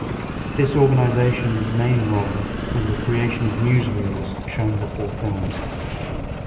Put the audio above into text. This organisation main role was the creation of newsreels shown before films.